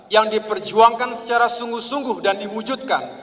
yang diperjuangkan secara sungguh sungguh dan diwujudkan